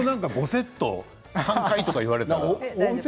これを５セット３回とか言われたら。